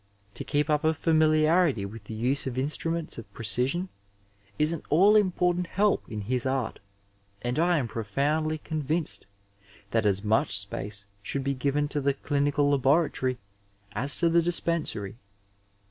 To keep up a familiarity with the use of instruments of precision is an all important help in his art, and I am profoundly con vinced that as much space should be given to the clinical laboratory as to the dispensary.